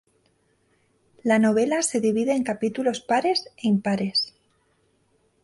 La novela se divide en capítulos pares e impares.